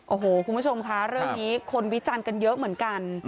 โอ้โหคุณผู้ชมค่ะเรื่องนี้คนวิจารณ์กันเยอะเหมือนกัน